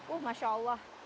uh masya allah